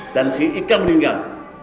dan si ika meninggal